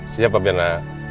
siap pak mirna